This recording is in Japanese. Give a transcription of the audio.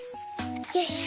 よし。